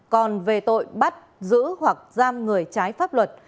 còn về tội bắt giữ hoặc giam người trái pháp luật